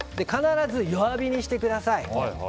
必ず弱火にしてください。